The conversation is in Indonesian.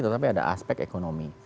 tetapi ada aspek ekonomi